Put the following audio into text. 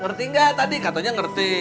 ngerti nggak tadi katanya ngerti